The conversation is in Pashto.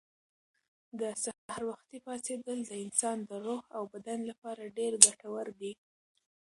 د سهار وختي پاڅېدل د انسان د روح او بدن لپاره ډېر ګټور دي.